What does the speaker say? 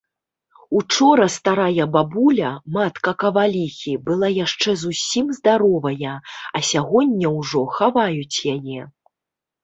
Учора старая бабуля, матка каваліхі, была яшчэ зусім здаровая, а сягоння ўжо хаваюць яе.